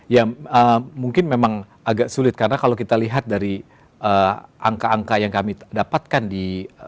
ya mungkin memang agak sulit karena kalau kita lihat dari angka angka yang kami dapatkan di